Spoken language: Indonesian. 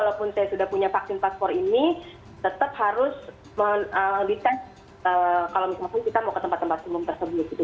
walaupun saya sudah punya vaksin paspor ini tetap harus dites kalau misalkan kita mau ke tempat tempat umum tersebut gitu